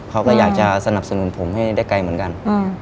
เขาก็อยากจะสนับสนุนผมให้ได้ไกลเหมือนกัน